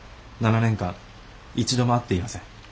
７年間一度も会っていません。